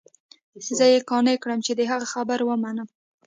زه يې قانع کړم چې د هغه خبره ومنم.